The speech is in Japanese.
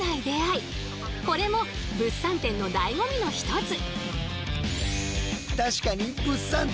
これも物産展のだいご味の一つ！